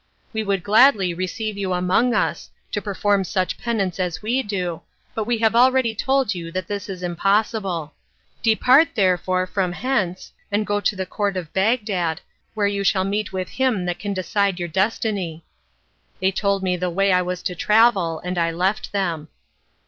We would gladly receive you among us, to perform such penance as we do, but we have already told you that this is impossible. Depart, therefore, from hence and go to the Court of Bagdad, where you shall meet with him that can decide your destiny." They told me the way I was to travel, and I left them.